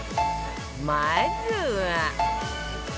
まずは